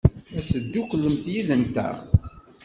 Ad tedduklemt yid-nteɣ?